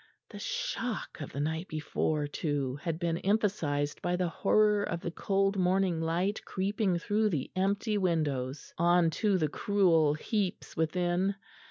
The shock of the night before too had been emphasised by the horror of the cold morning light creeping through the empty windows on to the cruel heaps within.